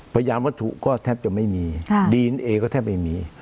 พยายามวัตถุก็แทบจะไม่มีดีเอนเอก็แทบไม่มี